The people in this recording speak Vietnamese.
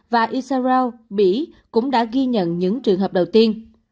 và isarau mỹ cũng đã ghi nhận những trường hợp đầu tiên